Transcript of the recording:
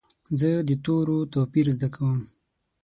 زه د تورو توپیر زده کوم.